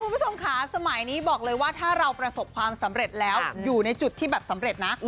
คุณผู้ชมค่ะสมัยนี้บอกเลยว่าถ้าเราประสบความสำเร็จแล้วอยู่ในจุดที่แบบสำเร็จนะ